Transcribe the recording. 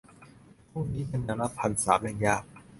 พรุ่งนี้จะแนวรับพันสามยังยาก